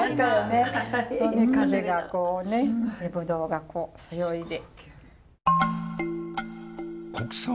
海風がこうねぶどうがこうそよいで。